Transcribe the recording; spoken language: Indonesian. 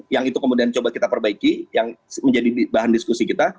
yang itu kemudian coba kita perbaiki yang menjadi bahan diskusi kita